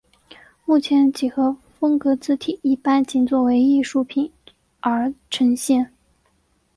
目前几何风格字体一般仅作为艺术品而呈现。